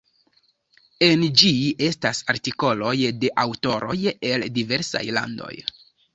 En ĝi estas artikoloj de aŭtoroj el diversaj landoj.